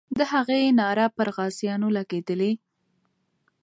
د هغې ناره پر غازیانو لګېدلې.